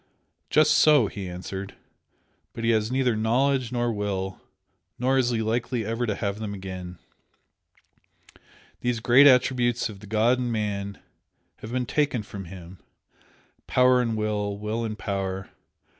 "Just so!" he answered "But he has neither knowledge nor will nor is he likely ever to have them again. These great attributes of the god in man have been taken from him. Power and Will! Will and Power!